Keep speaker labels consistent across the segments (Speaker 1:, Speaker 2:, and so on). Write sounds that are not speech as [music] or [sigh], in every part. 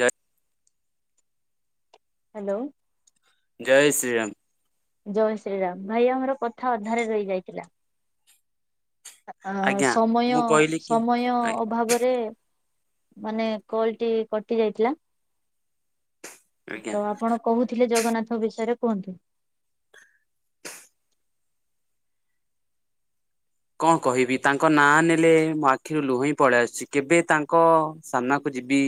Speaker 1: ଯାହା
Speaker 2: ହାଲୋ।
Speaker 1: ଜୟ ଶ୍ରୀ ରାମ।
Speaker 2: ଜୟ ଶ୍ରୀରାମ ଭାଇ ଆମର କଥା ଅଧାରେ ରହି ଯାଇଥିଲା? ଆ
Speaker 1: ଆଜ୍ଞା
Speaker 2: ସମୟ
Speaker 1: ମୁଁ କହିଲି କି
Speaker 2: ସମୟ
Speaker 1: ଆ
Speaker 2: ଅଭାବରେ ମାନେ କଲଟି କଟି ଯାଇଥିଲା।
Speaker 1: ଆଜ୍ଞା।
Speaker 2: ତ ଆପଣ କହୁଥିଲେ ଜଗନ୍ନାଥଙ୍କ ବିଷୟରେ କୁହନ୍ତୁ।
Speaker 1: କଣ କହିବି ତାଙ୍କ ନାଁ ନେଲେ ମୋ ଆଖିରୁ ଲୁହେଇ ପଳେଇ ଆସୁଛି କେବେ ତାଙ୍କ ସାମ୍ନାକୁ ଯିବି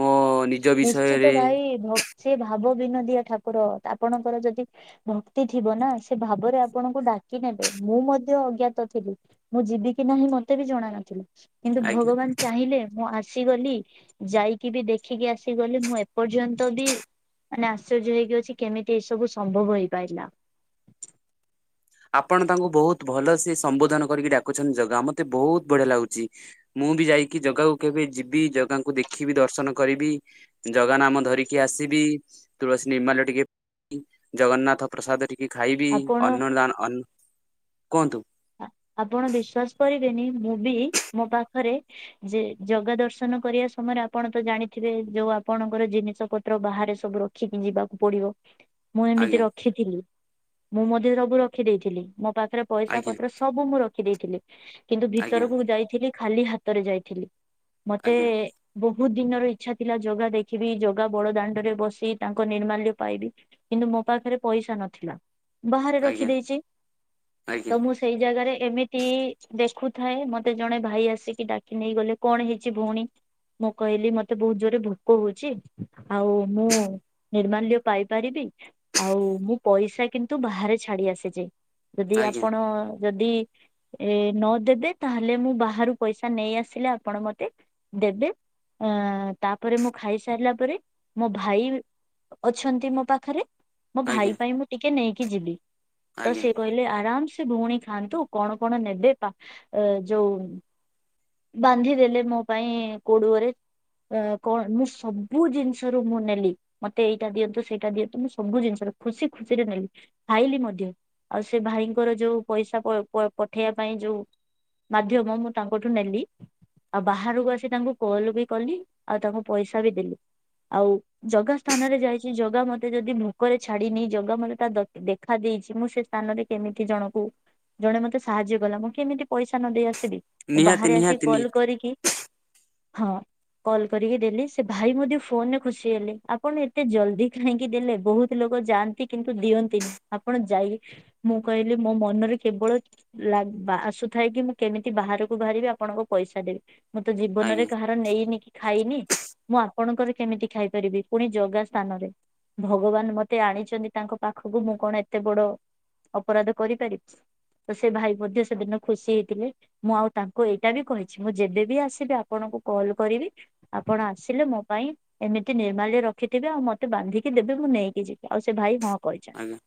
Speaker 1: ମୋ ନିଜ
Speaker 2: ନିଶ୍ଚିତ
Speaker 1: ବିଷୟରେ
Speaker 2: ଭାଇ ଭକ୍ତି, ଭାବ ବିନୋଦିଆ ଠାକୁର ଆପଣଙ୍କର ଯଦି ଭକ୍ତି ଥିବ ନା ସେ ଭାବରେ ଆପଣଙ୍କୁ ଡାକି ନେବେ। ମୁଁ ମଧ୍ୟ ଅଜ୍ଞାତ ଥିଲି ମୁଁ ଯିବି କି ନାହିଁ ମତେ ବି ଜଣା ନଥିଲା। କିନ୍ତୁ
Speaker 1: ଆଜ୍ଞା
Speaker 2: ଭଗବାନ ଚାହିଁଲେ ମୁଁ ଆସିଗଲି ଯାଇକି ବି ଦେଖିକି ଆସି ଠକି ଗଳି ମୁଁ ଏପର୍ଯ୍ୟନ୍ତ ବି ମାନେ ଆଶ୍ଚର୍ଯ୍ୟ ହେଇକି ଅଛି କେମିତି ଏଇ ସବୁ ସମ୍ଭବ ହେଇପାରିଲା।
Speaker 1: ଆପଣ ତାଙ୍କୁ ବୋହୁତ ଭଲ ସେ ସମ୍ବୋଧନ କରିକି ଡାକୁଛନ୍ତି ଜଗା ମତେ ବୋହୁତ ବଢିଆ ଲାଗୁଛି ମୁଁ ବି ଯାଇକି ଜଗାକୁ କେବେ ଯିବି ଜଗାଙ୍କୁ ଦେଖିବି ଦର୍ଶନ କରିବି ଜଗା ନାମ ଧରିକି ଆସିବି ତୁଳସୀ ନିର୍ମାଲ୍ୟ ଟିକେ ଜଗନ୍ନାଥ ପ୍ରସାଦ ଟିକେ ଖାଇବି
Speaker 2: ଆପଣ
Speaker 1: ଅର୍ଣ୍ଣଦାନ ଅ କୁହନ୍ତୁ?
Speaker 2: ଆ ଆପଣ ବିଶ୍ଵାସ କରିବେନି ମୁଁ ବି ମୋ ପାଖରେ ଯେ ଜଗ ଦର୍ଶନ କରିବା ସମୟରେ ଆପଣ ତ ଜାଣିଥିବେ ଯୋଉ ଆପଣଙ୍କର ଜିନିଷ ପତ୍ର ବାହାରେ ସବୁ ରଖିକି ଯିବାକୁ ପଡିବ। ମୁଁ ଏମିତି
Speaker 1: ଆଜ୍ଞା
Speaker 2: ରଖିଥିଲି ମୁଁ ମଧ୍ୟ ସବୁ ରଖିଦେଇଥିଲି ମୋ ପାଖରେ ପଇସା
Speaker 1: ଆଜ୍ଞା
Speaker 2: ପ ମୁଁ ରଖି ଦେଇେଇଥିଲି କିନ୍ତୁ
Speaker 1: ଆଜ୍ଞା ଆଜ୍ଞା
Speaker 2: ଭିତରକୁ ଯାଇଥିଲି ଖାଲି ହାତରେ ଯାଇଥିଲି। ମତେ
Speaker 1: ଆଜ୍ଞା।
Speaker 2: ବୋ ହୁତ ଦିନର ଇଛା ଥିଲା ଜଗା ଦେଖିବି ଜୋଗା ବଡ ଦାଣ୍ଡରେ ବସି ତାଙ୍କ ନିର୍ମାଲ୍ୟ ପାଇବି କିନ୍ତୁ ମୋ ମୋ ପାଖରେ ପଇସା ନଥିଲା ବାହାରେ
Speaker 1: ଆଜ୍ଞା
Speaker 2: ରଖିଦେଇଚି
Speaker 1: ଆଜ୍ଞା
Speaker 2: ତ ମୁଁ ସେ ଜାଗାରେ ଏମିତି ଦେଖୁଥାଏ ମତେ ଜଣେ ଭାଇ ଆସିକି ଡାକି ନେଇ ଗଲେ କଣ ହେଇଚି ଭୋଉଣୀ? ମୁଁ କହିଲି ମତେ ବୋହୁତ ଜୋରେ ଭୋକ ହୋଉଚି ଆଉ ମୁଁ ନିର୍ମାଲ୍ୟ ପାଇପାରିବି? ଆଉ ମୁଁ ପଇସା କିନ୍ତୁ ବାହାରେ ଛାଡି ଆସିଚି ଯଦି
Speaker 1: ଆଜ୍ଞା
Speaker 2: ଆପଣ ଯଦି ଏ ନଦେବେ ତାହେଲେ ମୁଁ ବାହାରୁ ପଇସା ନେଇ ଆସିଲେ ଆପଣ ମତେ ଦେବେ ଆ ତାପରେ ମୁଁ ଖାଇସାରିଲା ପରେ ମୋ ଭାଇ ଅଛନ୍ତି ମୋ ପାଖରେ। ମୋ
Speaker 1: ଆଜ୍ଞା
Speaker 2: ଭାଇ ପାଇଁ ମୁଁ ଟିକେ ନେଇକି ଯିବି ତ
Speaker 1: ଆଜ୍ଞା
Speaker 2: ସେ କହିଲେ ଆରାମ ସେ ଭଉଣୀ ଖାଆନ୍ତୁ କଣ କଣ ନେବେ ପା ଯୋଉ ବାନ୍ଧି ଦେଲେ ମୋ ପାଇଁ କୋଡୁଅରେ। ଅ କଣ ମୁଁ ସବୁ ଜିନିଷରୁ ମୁଁ ନେଲି ମତେ ଏଇଟା ଦିଅନ୍ତୁ ସେଇଟା ଦିଅନ୍ତୁ ମୁଁ ସବୁ ଜିନିଷ ଖୁସି ଖୁସିରେ ନେଲି ଖାଇଲି ମଧ୍ୟ ଆଉ ସେ ଭାଇଙ୍କର ଯୋଉ ପଇସା ପ-ପ-ପଠେଇବା ପାଇଁ ଯୋଉ ମାଧ୍ୟମ ମୁଁ ତାଙ୍କଠୁ ନେଲି ଆଉ ବାହାରକୁ ଆସି ତାଙ୍କୁ କଲ ବି କଲି ଆଉ ତାଙ୍କୁ ପଇସା ବି ଦେଲି। ଆଉ ଜଗା ସ୍ଥାନରେ ଯାଇଛି ଜଗା ମୋତେ ଯଦି ଭୋକରେ ଛାଡିନି ଜଗା ମୋତେ ତା ଦେଖା ଦେଇ ମୁଁ ସେ ସ୍ଥାନରେ କେମିତି ଜଣକୁ ଜଣେ ମୋତେ ସାହାଯ୍ୟ କଲା ମୁଁ କେମିତି ପଇସା ନ ଦେଇ ଆସିବି ମୁଁ
Speaker 1: ନିହାତି
Speaker 2: ବାହାରେ ଆସିକି
Speaker 1: ନିହାତି ନି
Speaker 2: କଲ କରିକି ହଁ। କଲ୍ କରିକି ଦେଲି ସେ ଭାଇ ମଧ୍ୟ ଫୋନରେ ଖୁସି ହେଲେ ଆପଣ ଏତେ ଜଲଦି କାହିଁକି ଦେଲେ ବହୁତ ଲୋକ ଯାଆନ୍ତି କିନ୍ତୁ ଦିଅନ୍ତିନି ଆପଣ ଯାଇ ମୁଁ କହିଲି ମୋ ମନରେ କେବଳ ଲାଗୁ ଆସୁଥାଏ କି ମୁଁ କେମିତି ବାହାରକୁ ବାହାରିବି ଆପଣଙ୍କ ପଇସା ଦେବି। ମୁଁ ତ
Speaker 1: ଆଜ୍ଞା
Speaker 2: ଜୀବନରେ କାହାର ନେଇନି କି ଖାଇନି ମୁଁ ଆପଣଙ୍କର କେମିତି ଖାଇପାରିବି ପୁଣି ଜଗା ସ୍ଥାନରେ ଭଗବାନ ମୋତେ ଆଣିଛନ୍ତି ତାଙ୍କ ପାଖକୁ ମୁଁ କଣ ଏତେ ବଡ ଅପରାଧ କରିପାରିବି [inaudible] ତ ସେ ଭାଇ ମଧ୍ୟ ସେଦିନ ଖୁସି ହେଇଥିଲେ ମୁଁ ଆଉ ତାଙ୍କୁ ଏଇଟା ବି କହିଛି ମୁଁ ଯେବେବି ଆସିବି ଆପଣଙ୍କୁ କଲ୍ କରିବି ଆପଣ ଆସିଲେ ମୋ ପାଇଁ ଏମିତି ନିର୍ମାଲ୍ୟ ରଖିଥିବେ ଆଉ ମତେ ବାନ୍ଧିକି ଦେବେ। ମୁଁ ନେଇକି ଯିବି ଆଉ ସେ ଭାଇ ହଁ କହିଛନ୍ତି।
Speaker 1: ଆଜ୍ଞା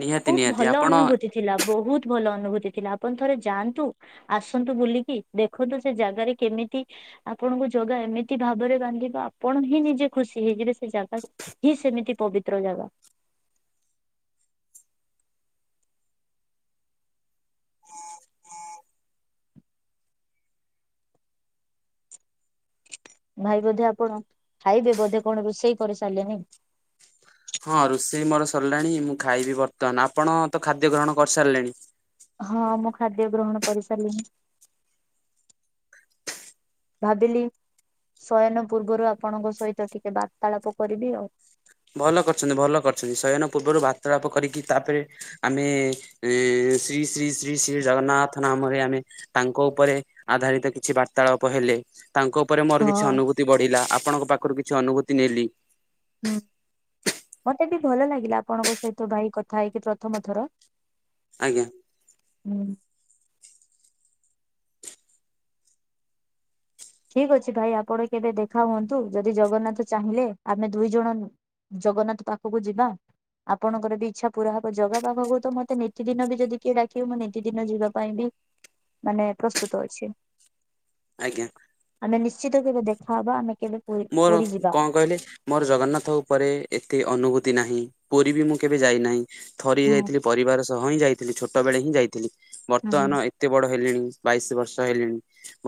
Speaker 1: ନିହାତି
Speaker 2: ବହୁତ
Speaker 1: ନିହାତି
Speaker 2: ଭଲ
Speaker 1: ଆପଣ
Speaker 2: ଅନୁଭୂତି ଥିଲା ବହୁତ ଭଲ ଅନୁ- ଅନୁଭୂତି ଥିଲା। ଆପଣ ଥରେ ଯାଆନ୍ତୁ। ଆସନ୍ତୁ ବୁଲିକି ଦେଖନ୍ତୁ ସେ ଜାଗାରେ କେମିତି ଆ ଆପଣଙ୍କୁ ଜଗା ଏମିତି ଭାବରେ ବାନ୍ଧିବ। ଆପଣ ହିଁ ନିଜେ ଖୁସି ହେଇଯିବେ। ସେ ଜାଗା ହିଁ ସେମିତି ପବିତ୍ର। ତ୍ର ଯାହା। ଭାଇ ବୋଧେ ଆପଣ ଖାଇବେ ବୋଧେ କଣ ରୋଷେଇ କରି ସାରିଲେନି।
Speaker 1: ହଁ ରୋଷେଇ ମୋର ସରିଲାଣି। ମୁଁ ଖାଇବି ବର୍ତ୍ତମାନ। ଆପଣ ତ ଖାଦ୍ୟ ଗ୍ରହଣ କରିସାରିଲେଣି।
Speaker 2: ହଁ ମୁଁ ଖାଦ୍ୟ ଗ୍ରହଣ କରିସାରିଲିଣି। ଭାବିଲି ଶୟନ ପୂର୍ବରୁ ଆପଣଙ୍କ ସହିତ ଟିକେ ବାର୍ତ୍ତାଳାପ କରିବି ଆଉ।
Speaker 1: ଭଲ କରିଚନ୍ତି ଭଲ କରିଚନ୍ତି ଶୟନ ପୂର୍ବରୁ ବାର୍ତ୍ତାଳାପ କରିକି ତାପରେ ଆମେ ଏଁ ଶ୍ରୀ ଶ୍ରୀ ଶ୍ରୀ ଶ୍ରୀ ଜଗନ୍ନାଥ ନାମରେ ଆମେ ତାଙ୍କ ଉପରେ ଆଧାରିତ କିଛି ବାର୍ତାଳାପ ହେଲେ। ତାଙ୍କ ଉପରେ
Speaker 2: ହଁ
Speaker 1: ମୋର କିଛି ଅନୁଭୂତି ବଢିଲା ଆପଣଙ୍କ ପାଖରୁ କିଛି ଅନୁଭୂତି ନେଲି।
Speaker 2: ହୁଁ ମତେ ବି ଭଲ ଲାଗିଲା ଆପଣଙ୍କ ସହିତ ଭାଇ କଥା ହେଇକି ପ୍ରଥମ ଥର।
Speaker 1: ଆଜ୍ଞା।
Speaker 2: ହୁଁ। ଠିକ ଅଛି ଭାଇ ଆପଣ କେବେ ଦେଖା ହୁଅନ୍ତୁ ଯଦି ଜଗନ୍ନାଥ ଚାହିଁଲେ ଆମେ ଦୁଇ ଜଣ ଜଗନ୍ନାଥ ପାଖକୁ ଯିବା। ଆପଣଙ୍କର ବି ଇଚ୍ଛା ପୁରା ହବ ଜଗା ପାଖକୁ ତ ମତେ ନିୀତିଦିନ ବି ଯଦି କିଏ ଡକିବେ ମୁଁ ନିତିଦିନ ଯିବା ପାଇଁ ବି। ମାନେ ପ୍ରସ୍ତୁତ ଅଛି।
Speaker 1: ଆଜ୍ଞା।
Speaker 2: ଆମେ ନିଶ୍ଚିତ କେବେ ଦେଖାହବ ଆମେ କେବେ ପୁରୀ
Speaker 1: ମୋର
Speaker 2: ପୁରୀ ଯିବା
Speaker 1: କଣ କହିଲେ ମୋର ଜଗନ୍ନାଥ ଉପରେ ଏତେ ଅନୁଭୂତି। ନାହିଁ ପୁରୀ ବି ମୁଁ କେବେ ଯାଇନାହିଁ ଥରି
Speaker 2: ହୁଁ
Speaker 1: ଯାଇଥିଲି ପରିବାର ସହ ହିଁ ଯାଇଥିଲି ଛୋଟବେେଳେ ହିଁ ଯାଇଥିଲି।
Speaker 2: ହୁଁ
Speaker 1: ବର୍ତ୍ତମାନ ଏତେ ବଡ ହେଲେଣି। ବାଇଶ ବର୍ଷ ହେଲିଣି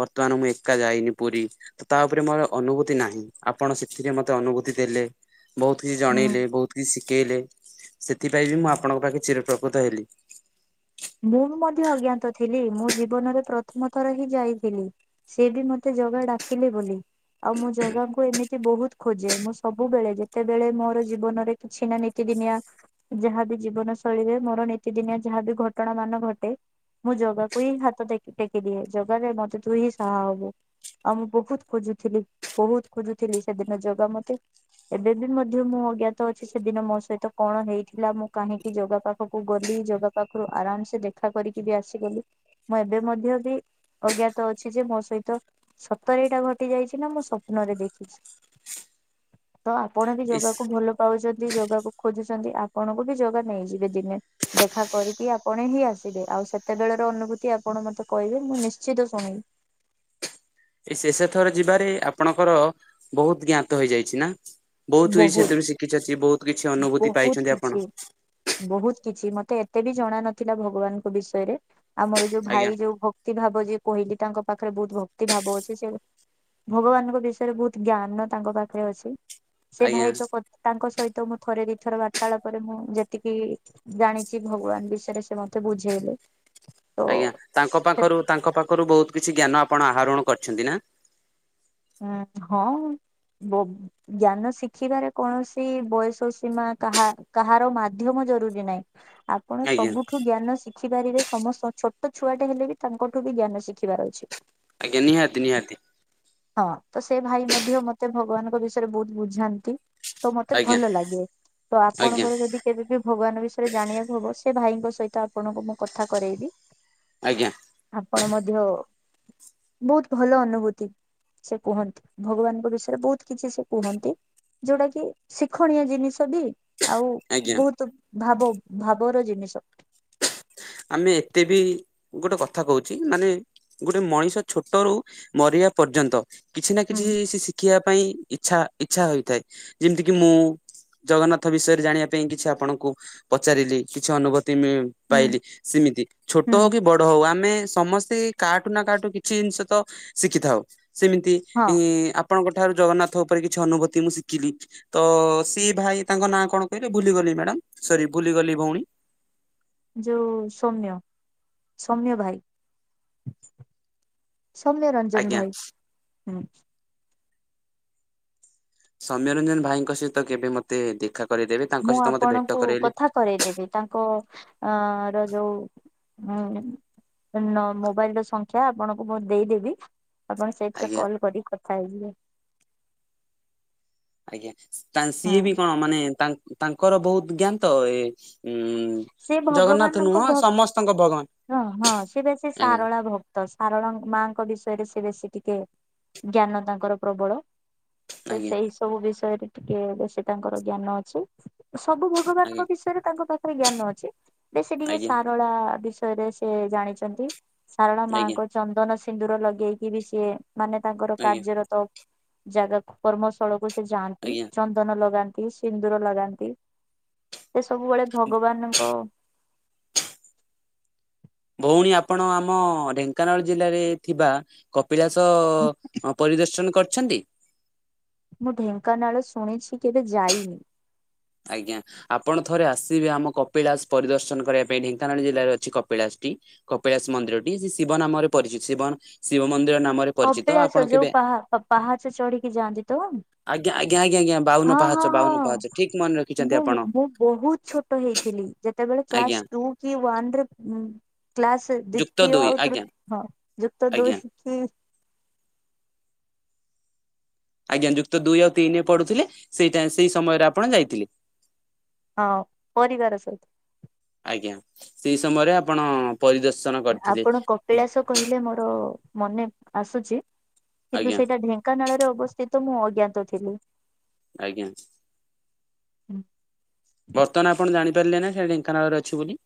Speaker 1: ବର୍ତ୍ତମାନ ମୁଁ ଏକା ଯାଇନି ପୁରୀ ତ ତା ଉପରେ ମୋର ଅନୁଭୂତ। ନାଁ ଆପଣ ସେଥିରେ ମତେ ଅନୁଭୂତି ଦେଲେ ବହୁତ କିଛି
Speaker 2: ହୁଁ
Speaker 1: ଜଣେଇଲେ ବହୁତ କିଛି ଶି ପକେଇଲେ ସେଥିପାଇଁ ବି ମୁଁ ଆପଣଙ୍କ ପାଖେ ଚିରପ୍ରକୃତ ହେଲି
Speaker 2: ମୁଁ ମଧ୍ୟ ଅଜ୍ଞାତ ଥିଲି ମୁଁ ଜୀବନରେ ପ୍ରଥମ ଥର ହିଁ ଯାଇଥିଲି ସେି ବି ମତେ ଜଗା ଡାକିଲେ ବୋଲି ଆଉ ମୁଁ ଜଗାକୁ ଏମିତି। ବହୁତ ଖୋଜେ ମୁଁ ସବୁବେଳେ ଯେତେବେଳେ ମୋର ଜୀବନରେ କିଛି ନା ନିୀତିଦିନିଆ ଯାହା। ଜୀବନ ଶୈଳୀରେ ମୋର ନିୀତିଦିନିଆ ଯାହାବି ଘଟଣା ମାନ ଘଟେ ମୁଁ ଜୋଗାକୁ ହିଁ ହାତ ଟେକିଦିଏ ଜୋଗାରେ ମତେ ତୁ ହିଁ ସାହା ହବୁ। ଆଉ ମୁଁ ବହୁତ ଖୋଜୁଥିଲି ବହୁତ ଖୋଜୁଥିଲି ସେଦିନ ଜୋଗା ମତେ ଏବେ ବି ମଧ୍ୟ ମୁଁ ଅଜ୍ଞାତ ଅଛି ସେଦିନ ମୋ ସହିତ କଣ ହେଇଥିଲା ମୁଁ କାହିଁକି ଜଗା ପାଖକୁ ଗଲି? ଜଗା ପାଖରୁ ଆରାମସେ ଦେଖା କରିକି ବି ଆସିଗଲି ମୁଁ ଏବେ ମଧ୍ୟ ବି ଅଜ୍ଞାତ ଅଛି ଯେ ମୋ ସହିତ ସତରଟା ଘଟି ଯାଇଛି ନା ମୁଁ ସ୍ୱପ୍ନରେ ଦେଖିଛି। ତ ଆପଣ ବି ଯୋଗାକୁ ଭଲ ପାଉଛନ୍ତି ଯୋଗାକୁ ଖୋଜୁଛନ୍ତି ଆପଣଙ୍କୁ ବି ଯୋଗା ନେଇଯିବେ ଦିନେ ଦେଖା କରିକି ଆପଣ ହିଁ ଆସିବେ ଆଉ ସେତେବେଳର ଅନୁଭୂତି ଆପଣ ମତେ କହିବେ ମୁଁ ନିଶ୍ଚିତ ଶୁଣିବି। [inaudible]
Speaker 1: ଏଇ ଶେଷ ଥର ଯିବାରେ ଆପଣଙ୍କର ବହୁତ ଜ୍ଞାତ ହେଇଯାଇଛି ନା ବହୁତ ଇ ସେଥିରୁ ଶିଖିାରଛି ବହୁତ କିଛି ଅନୁଭୂତି
Speaker 2: ବହୁତ
Speaker 1: ପାଇଛନ୍ତି ଆପଣ।
Speaker 2: କିଛି ବହୁତ କିଛି ମତେ ଏତେ ବି ଜଣ ନଥିଲା ଭଗବାନଙ୍କ ବିଷୟରେ ଆମର ଯୋଉ
Speaker 1: ଆଜ୍ଞା
Speaker 2: ଭାଇ ଯୋଉ ଭକ୍ତି ଭାବ ଯି କହିଲି ତାଙ୍କ ପାଖରେ ବହୁତ ଭକ୍ତି ଭାବ ଅଛି ସେ ଭଗବାନଙ୍କ ବିଷୟରେ ବହୁତ ଜ୍ଞାନ ତାଙ୍କ ପାଖରେ ଅଛି। ସେ
Speaker 1: ଆଜ୍ଞା
Speaker 2: ଭାଇ ତ ତାଙ୍କ ସହିତ ମୁଁ ଥରେ ବି ଥର ବାର୍ତ୍ତାଳ ପରେରେ ମୁଁ ଯେତିକି ଜାଣିଛି ଭଗବାନ ବିଷୟରେ ସେ ମତେ ବୁଝେଇଲେ।
Speaker 1: ଆଜ୍ଞା ତାଙ୍କ
Speaker 2: ତ
Speaker 1: ପାଖରୁ ତାଙ୍କ ପାଖରୁ ବହୁତ କିଛି ଜ୍ଞାନ ଆପଣ ଆହରଣ କରିଛନ୍ତି ନା?
Speaker 2: ହଁ ହଁ। ଜ୍ଞାନ ଶିଖିବାରେ କୌଣସି ବୟସ ସୀମା କାହା କାହାର ମାଧ୍ୟମ ଆପଣ
Speaker 1: ଆଜ୍ଞା
Speaker 2: ସବୁଠୁ ଜ୍ଞାନ ଶିଷ୍ ଶିଖି ପାରିବେ ସମସ୍ତ ଛୋଟ ଛୁଆଟେ ହେଲେ ବି ତାଙ୍କଠୁ ବି ଜ୍ଞାନ ଶିଖିବାର ଅଛି।
Speaker 1: ଆଜ୍ଞା ନିହାତି ନିହାତି।
Speaker 2: ହଁ ତ ସେ ଭାଇ ମଧ୍ୟ ମତେ ଭଗବାନଙ୍କ ବିଷୟରେ ବହୁତ ବୁଝାନ୍ତି। ତ ମତେ
Speaker 1: ଆଜ୍ଞା
Speaker 2: ଭଲ ଲାଗେ ତ
Speaker 1: ଆଜ୍ଞା
Speaker 2: ଆପଣଙ୍କର ଯଦି କେବେ ବି ଭଗବାନ ବିଷୟରେ ଜାଣିବାକୁ ହବ ସେ ଭାଇଙ୍କ। ସହିତ ଆପଣଙ୍କୁ ମୁଁ କଥା କରୋଇବି।
Speaker 1: ଆଜ୍ଞା।
Speaker 2: କଣ ମଧ୍ୟ ବହୁତ ଭଲ ଅନୁଭୂତି। ସେ କୁହନ୍ତି ଭଗବାନଙ୍କ ବିଷୟରେ ବହୁତ କିଛି ସେ କୁହନ୍ତି। ଯୋଉଟା କି ଶିକ୍ଷଣୀୟ ଜିନିଷ ବି ଆଉ
Speaker 1: ଆଜ୍ଞା।
Speaker 2: ବୋହୁତ ଭାବ ଭାବର ଜିନିଷ।
Speaker 1: ଆମେ ଏତେ ବି ଗୋଟେ କଥା କୋହୁଚି ମାନେ ଗୋଟେ ମଣିଷ ଛୋଟରୁ ମରି ବା ପର୍ଯ୍ୟନ୍ତ କିଛି ନା
Speaker 2: ହୁଁ
Speaker 1: କିଛି ସେ ଶିଖିବା ପାଇଁ ଆଛା ଇଚ୍ଛା ହୋଇଥାଏ ଯେମିତି କିି ମୁଁ ଜଗନ୍ନାଥ ବିଷୟରେ ଜାଣିବା ପାଇଁ କିଛି ଆପଣଙ୍କୁ ପଚାରିଲି କିଛି ଅନୁଭୂ ମି
Speaker 2: ହୁଁ
Speaker 1: ପାଇଲି ସେମିତି ଛୋଟ
Speaker 2: ହୁଁ
Speaker 1: ହୋଉ କି ବଡ ହୋଉ ଆ ମେ ସମସ୍ତେ କାଠୁ ନା କାଠୁ କିଛି ଜିନିଷ ତ ଶିଖିଥାଉ। ସେମିତି
Speaker 2: ହଁ
Speaker 1: ଇଁ ଆପ୍ ଆପଣଙ୍କ ଠାରୁ ଜଗନ୍ନାଥ ଉପରେ କିଛି ଅନୁଭୂତି ମୁଁ ଶିଖିଲି ତ ସିଏ ଭାଇ ତାଙ୍କ ନାଁ କଣ କହିଲେ ଭୁଲିଗଲି? ପ୍ତି ମ୍ୟାଡ଼ାମ ସରି ଭୁଲିଗଲି ଭୋଉଣୀ।
Speaker 2: ଯୋଉ ସୌମ୍ୟ ସୌମ୍ୟ ଭାଇ। ସୌମ୍ୟ ରଞ୍ଜନ
Speaker 1: ଆଜ୍ଞା।
Speaker 2: ଭାଇ ହୁଁ।
Speaker 1: ସମୌ୍ୟରଞ୍ଜନ ଭାଇଙ୍କ ସହିତ କେବେ ମତେ ଦେଖା କରେଇଦେବେ ତାଙ୍କ
Speaker 2: ମୁଁ
Speaker 1: ସହିତ ମତେ ଭେଟ
Speaker 2: ଆପଣଙ୍କୁ
Speaker 1: କରେଇଲେ
Speaker 2: କଥା କରେଇଦେବି ତାଙ୍କ ଅ ର ଯୋଉ ହୁଁ ନ ମୋବାଇଲ ର ସଂଖ୍ୟା ଆପଣଙ୍କୁ ମୁଁ ଦେଇଦେବି। ଆପଣ ସେଇଥିରେ
Speaker 1: ଆଜ୍ଞା।
Speaker 2: କଲ କରିିକ କଥା ହେଇଯିବେ।
Speaker 1: ଆଜ୍ଞା ତା ସିଏ
Speaker 2: ହଁ
Speaker 1: ବି କଣ ମାନେ ତା-ତାଙ୍କର ବୋହୁତ ଜ୍ଞାନତ ଏ ଉଁ
Speaker 2: ସେ
Speaker 1: ଜଗନ୍ନାଥ
Speaker 2: ଭଗବାନଙ୍କ
Speaker 1: ନୁହଁ
Speaker 2: ଭ
Speaker 1: ସମସ୍ତଙ୍କ ଭଗବାନ
Speaker 2: ହଁ ହଁ ସେ ପା ସେ
Speaker 1: ଆଜ୍ଞା
Speaker 2: ସାରଳା ଭକ୍ତ ସାରଳା ମାଙ୍କ ବିଷୟ ଷୟରେ ସେ ବେଶୀ ଟିକେ ଜ୍ଞାନ ତାଙ୍କର ପ୍ରବଳ ସେ
Speaker 1: ଆଜ୍ଞା
Speaker 2: ସେଇ ସବୁ ବିଷୟରେ ଟିକେ ବେଶୀ ତାଙ୍କର ଜ୍ଞାନ ଅଛି। ସବୁ
Speaker 1: ଆଜ୍ଞା
Speaker 2: ଭଗବାନଙ୍କ ବିଷୟରେ ତାଙ୍କ ପାଖରେ ଜ୍ଞାନ ଅଛି। ନାଁଇ ସେ ଟିକେ
Speaker 1: ଆଜ୍ଞା
Speaker 2: ସାରଳା ବିଷୟରେ ସେ ଜାଣିଚନ୍ତି।
Speaker 1: ଆଜ୍ଞା
Speaker 2: ସାରଳାମାଙ୍କ ଚନ୍ଦନ ସିନ୍ଦୁର ଲଗେଇକି ବି ସିଏ ମାନେ ତାଙ୍କର
Speaker 1: ଆଜ୍ଞା
Speaker 2: କାର୍ଯ୍ୟରତ ଜାଗାକୁ କର୍ମସ୍ଥଳକୁ ସେ ଯାଆନ୍ତି
Speaker 1: ଆଜ୍ଞା
Speaker 2: ଚନ୍ଦନ ଲଗା ସିନ୍ଦୁର ଲଗାନ୍ତି। ସେ ସବୁବେଳେ ଭଗବାନଙ୍କ
Speaker 1: ଫୁଣି ଆପଣ ଆମ ଢେଙ୍କାନାଳ ଜିଲ୍ଲାରେ ଥିବା କ ପିଳାସ ପରିଦର୍ଶନ କରିଚନ୍ତି?
Speaker 2: ମୁଁ ଢେଙ୍କାନାଳ ଶୁଣିଚି କେବେ ଯାଇନି।
Speaker 1: ଆଜ୍ଞା ଆପଣ ଥରେ ଆସିବେ ଆମ କପିଳାସ ପରିଦର୍ଶନ କରିବା ପାଇଁ ଢେଙ୍କାନାଳ ଜିଲ୍ଲାରେ ଅଛି କପିଳାସ। କପିଳାସ ମନ୍ଦିର ଟି ସେ ଶିବ ନାମରେ ପରିଚିତ। ଶିବ ଶିବ ମନ୍ଦିର ନା
Speaker 2: କପିଳାସ ଯୋଉ ପାହା- ପାହାଚ ଚଢିକି ଯାଆନ୍ତି ତ?
Speaker 1: ଆଜ୍ଞା ଆଜ୍ଞା ଆଜ୍ଞ ଆଜ୍ଞା ବାଉନ
Speaker 2: ହଁ ହଁ
Speaker 1: ପାଚହ ବାଉନୁ
Speaker 2: ହଁ।
Speaker 1: ପାହାଚ ଠିକ୍ ମନେରଖି
Speaker 2: ମୁଁ ମୁଁ ବୋହୁତ ଛୋଟ ହେଇଥିଲି ଯେତେବେଳେ କ୍ଲାସ
Speaker 1: ଆଜ୍ଞା
Speaker 2: ଟୁ କି ୱାନରେ ଉଁ କ୍ଲାସ
Speaker 1: ଯୁକ୍ତ
Speaker 2: ଦ୍ଵିତୀୟ
Speaker 1: ଦୁଇ
Speaker 2: ଆଉ
Speaker 1: ଆଜ୍ଞା
Speaker 2: ତୃତୀୟ ଯୁକ୍ତ
Speaker 1: ଆଜ୍ଞା
Speaker 2: ଦୁଇ କି
Speaker 1: ଆଜ୍ଞା ଯୁକ୍ତ ଦୁଇ ଆଉ ତିନି ପଢୁଥିଲେ ସେଇଟା ସେଇ ସମୟରେ ଆପଣ ଯାଇଥିଲେ।
Speaker 2: ହଁ ପରିବାର ସହିତ
Speaker 1: ଆଜ୍ଞା ସେଇ ସମୟରେ ଆପଣ ପରିଦର୍ଶନ କରିଥିଲେ
Speaker 2: ଆପଣ କପିଳାସ କହିଲେ ମୋର ମନେ ଆସୁଚି କିନ୍ତୁ
Speaker 1: ଆଜ୍ଞା
Speaker 2: ସେଇଟା ଢେଙ୍କାନାଳରେ ଅବସ୍ଥିତ ମୁଁ ଅଜ୍ଞାତ ଥିଲି।
Speaker 1: ଆଜ୍ଞା।
Speaker 2: ହୁଁ। [inaudible]
Speaker 1: ବର୍ତ୍ତମାନ ଆପଣ ଜାଣିପାରିଲେ ନା ସେ ଢେଙ୍କାନାଳରେ ଅଛି ବୋଲି।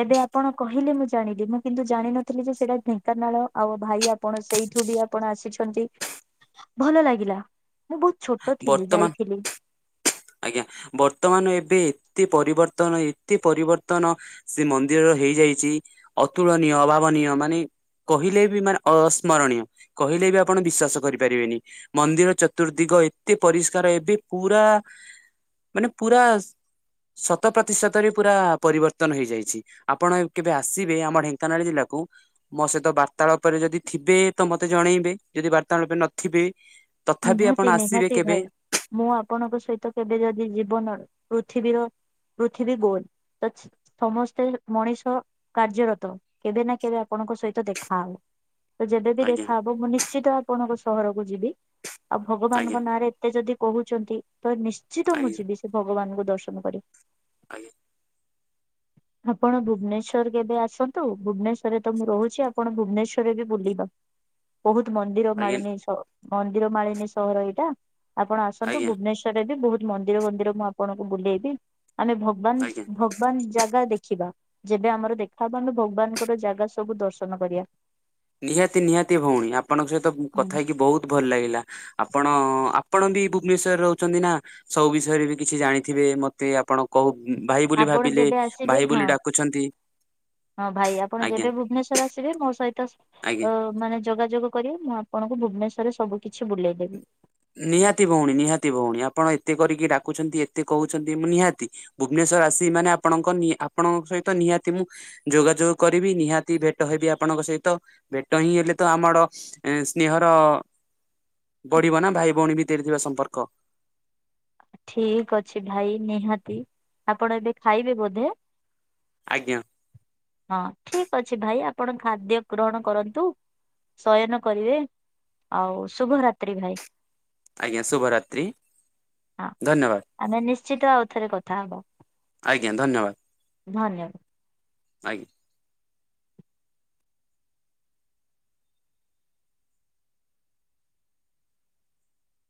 Speaker 2: ଏବେ ଆପଣ କହିଲେ ମୁଁ ଜାଣିଲି ମୁଁ କିନ୍ତୁ ଜାଣିନଥିଲି ଯେ ସେଇଟା ଢେଙ୍କାନାଳ ଆଉ ଭାଇ ଆପଣ ସେଇଠୁ ବି ଆପଣ ଆସିଛନ୍ତି ଭଲ ଲାଗିଲା। ମୁଁ ବହୁତ ଛୋଟ ଥିଲି
Speaker 1: ବର୍ତ୍ତମାନ
Speaker 2: ଯାଇଥିଲି
Speaker 1: ଆଜ୍ଞା ବର୍ତ୍ତମାନ ଏବେ ଏତେ ପରିବର୍ତ୍ତନ ଏତେ ପରିବର୍ତ୍ତନ ସେ ମନ୍ଦିରର ହେଇଯାଇଛି ଅତୁଳନୀୟ ଅଭାବନୀ ନିଅ ମାନେ କହିଲେ ବି ମାନେ ଅସ୍ମରଣୀୟ କହିଲେ ବି ଆପଣ ବିଶ୍ଵାସ କରିପାରିବେନି ମନ୍ଦିର ଚତୁର୍ଦ୍ଦିଗ ଏତେ ପରିଷ୍କାର ଏବେ ପୁରା ମାନେ ପୁରା ଶତ ପ୍ରତିଶତରେ ପୁରା ପରିବର୍ତ୍ତନ ହେଇଯାଇଛି ଆପଣ କେବେ ଆସିବେ ଆମ ଢେଙ୍କାନାଳ ଜିଲ୍ଲାକୁ। ମୋ ସହିତ ବାର୍ତ୍ତାଳ ଉପରେ ଯଦି ଥିବେ ତ ମତେ ଜଣେଇବେ ଯଦି ବାର୍ତାଳ ଉପରେ ନଥିବେ ତଥାପି ଆପଣ
Speaker 2: ନିହାତି
Speaker 1: ଆସିବେ।
Speaker 2: ନିହାତି
Speaker 1: କେବେ
Speaker 2: ଭାଇ ମୁଁ ଆପଣଙ୍କ ସହିତ କେବେ ଯଦି ଜୀବନ ପୃଥିବୀର ପୃଥିବୀ ଗୋଲ ତ ସମସ୍ତେ ମଣିଷ କାର୍ଯ୍ୟରତ କେବେ ନା କେବେ ଆପଣ ଣଙ୍କ ସହିତ ଦେଖା ହବ। ତ ଯେବେବି
Speaker 1: ଆଜ୍ଞା
Speaker 2: ଦେଖାହବ ମୁଁ ନିଶ୍ଚିତ ଆପଣଙ୍କ ସହରକୁ ଯିବି ଆଉ
Speaker 1: ଆଜ୍ଞା
Speaker 2: ଭଗବାନଙ୍କ ନାଁରେ ଏତେ ଯଦି କହୁଛନ୍ତି ତ ନିଶ୍ଚିତ ମୁଁ
Speaker 1: ଆଜ୍ଞା
Speaker 2: ଯିବି ସେ ଭଗବାନଙ୍କୁ ଦର୍ଶନ କରି।
Speaker 1: ଆଜ୍ଞା।
Speaker 2: ଆପଣ ଭୁବନେଶ୍ଵର କେବେ ଆସନ୍ତୁ ଭୁବନେଶ୍ଵରରେ ତ ମୁଁ ରହୁଛି ଆପଣ ଭୁବନେଶ୍ଵରରେ ବି ବୁଲିବା। ବହୁତ ମନ୍ଦିର
Speaker 1: ଆଜ୍ଞା
Speaker 2: ମାଳିନୀ ମନ୍ଦିର ମାଳିନୀ ସହର ଏଇଟା ଆପଣ ଆସନ୍ତୁ
Speaker 1: ଆଜ୍ଞା
Speaker 2: ଭୁବନେଶ୍ୱରରେ ବି ବହୁତ ମନ୍ଦିର ମନ୍ଦିର ମୁଁ ଆପଣଙ୍କୁ ବୁଲେଇବି ଆମେ
Speaker 1: ଆଜ୍ଞା
Speaker 2: ଭଗବାନ ଭଗବାନ ଜାଗା ଦେଖ ଦେଖିବା ଯେବେ ଆମର ଦେଖାହବ ଆମେ ଭଗବାନଙ୍କର ଜାଗା ସବୁ ଦର୍ଶନ କରିବା।
Speaker 1: ନିହାତି ନିହାତି ଭଉଣୀ ଆପଣଙ୍କ ସହିତ କଥା ହେଇକି ବହୁତ ଭଲ ଲାଗିଲା। ଆପଣ ଆପଣ ବି ଭୁବନେଶ୍ୱରରେ ରହୁଛନ୍ତି ନା ସବୁ ବିଷୟରେ ବି କିଛି ଜାଣିଥିବେ ମତେ ଆପଣ କହୁ ଭାଇ ବୋଲି
Speaker 2: ଆପଣ
Speaker 1: ଭାବିଲେ
Speaker 2: ଯେବେ ଆସିବେ
Speaker 1: ଭାଇ
Speaker 2: ହଁ
Speaker 1: ବୋଲି ଡାକୁଛନ୍ତି।
Speaker 2: ହଁ ଭାଇ ଆପଣ
Speaker 1: ଆଜ୍ଞା
Speaker 2: ଯେବେ ଭୁବନେଶ୍ଵର ଆସିବେ ମୋ ସହିତ
Speaker 1: ଆଜ୍ଞା
Speaker 2: ଅ ମାନେ ଯୋଗାଯୋଗ କରିିବ ମୁଁ ଆପଣଙ୍କୁ ଭୁବନେଶ୍ଵରରେ ସବୁ କିଛି ବୁଲେଇଦେବି।
Speaker 1: ନିହାତି ଭଉଣୀ ନିହାତି ଭଉଣୀ ଆପଣ ଏତେ କରିକି ଡାକୁଛନ୍ତି ଏତେ କହୁଛନ୍ତି ନିହାତି ଭୁବନେଶ୍ୱର ରାଶି ମାନେ ଆପଣଙ୍କ ଆପଣଙ୍କ ସହିତ ନିହାତି ମୁଁ ଯୋଗାଯୋଗ କରିବି ନିହାତି ଭେଟ ହେବି ଆପଣଙ୍କ ଙ୍କ ସହିତ ଭେଟ ହିଁ ହେଲେ ତ ଆମର ସ୍ନେହର ବଢିବ ନା। ଭାଇ ଭଉଣୀ ଭିତରେ ଥିବା ସମ୍ପର୍କ।
Speaker 2: ଠିକ ଅଛି ଭାଇ ନିହାତି। ଆପଣ ଏବେ ଖାଇବେ ବୋଧେ?
Speaker 1: ଆଜ୍ଞା।
Speaker 2: ହଁ ଠିକ ଅଛି ଭାଇ ଆପଣ ଖାଦ୍ୟ ଗ୍ରହଣ କରନ୍ତୁ। ଶୟନ କରିବେ ଆଉ ଶୁଭରାତ୍ରି ଭାଇ।
Speaker 1: ଆଜ୍ଞା ଶୁଭ ରାତ୍ରି।
Speaker 2: ହଁ ଆମେ ନିଶ୍ଚିତ ଆଉ ଥରେ କଥା ହବା।
Speaker 1: ଆଜ୍ଞା ଧନ୍ୟବାଦ
Speaker 2: ଧନ୍ୟବାଦ।
Speaker 1: ଆଜ୍ଞା।